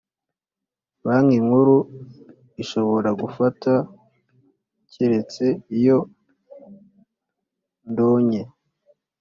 Banki Nkuru ishobora gufata keretse iyo ndonye